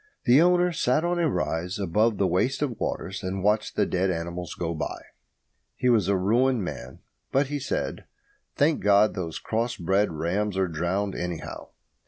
The owner sat on a rise above the waste of waters and watched the dead animals go by. He was a ruined man. But he said, "Thank God, those cross bred rams are drowned, anyhow."